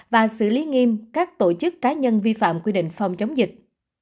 và xử lý nghiêm các tổ chức cá nhân vi phạm quy định phòng chống dịch